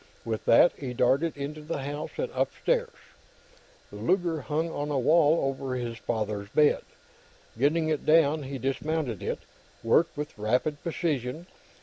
With that, he darted into the house and upstairs. The Luger hung on the wall over his father's bed. Getting it down, he dismounted it, working with rapid precision.